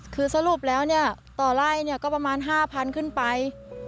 คือสรุปแล้วต่อไล่ก็ประมาณ๕๐๐๐บาทขึ้นไป